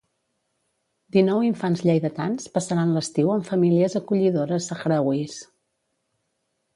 Dinou infants lleidatans passaran l'estiu amb famílies acollidores sahrauís.